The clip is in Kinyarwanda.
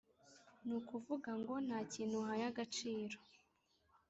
ni ukuvuga ngo nta kintu uhaye agaciro”.